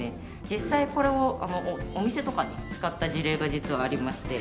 実際これをお店とかに使った事例が実はありまして。